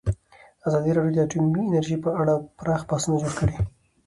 ازادي راډیو د اټومي انرژي په اړه پراخ بحثونه جوړ کړي.